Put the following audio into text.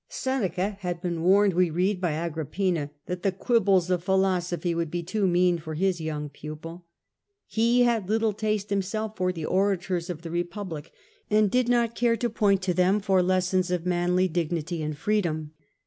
Seneca had been warned, we read, by Agrippina that the quibbles of philosophy would be too mean for his young pupil. He had little taste him self for the orators of the Republic, and did not care to point to them for lessons of manly dignity and freedom.